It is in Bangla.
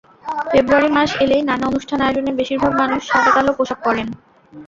ফেব্রুয়ারি মাস এলেই নানা অনুষ্ঠান আয়োজনে বেশির ভাগ মানুষ সাদা-কালো পোশাক পরেন।